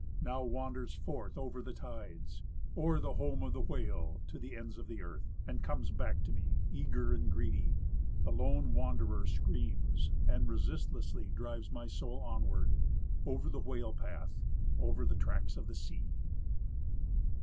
Now wanders forth over the tides, o'er the home of the whale. To the ends of the earth ŌĆö and comes back to me. Eager and greedy. The lone wanderer screams, and resistlessly drives my soul onward. Over the whale path, over the tracts of the sea.